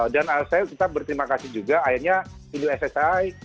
dan saya kita berterima kasih juga akhirnya indosatai